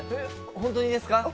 本当にいいですか？